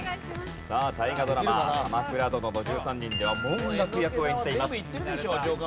さあ大河ドラマ『鎌倉殿の１３人』では文覚役を演じています。